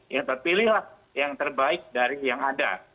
ya terpilihlah yang terbaik dari yang ada